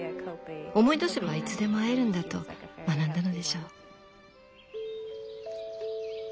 思い出せばいつでも会えるんだと学んだのでしょう。